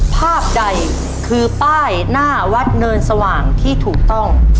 ภาพใดคือป้ายหน้าวัดเนินสว่างที่ถูกต้อง